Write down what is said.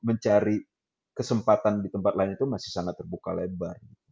mencari kesempatan di tempat lain itu masih sangat terbuka lebar